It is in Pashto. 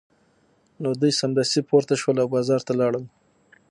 نو دوی سمدستي پورته شول او بازار ته لاړل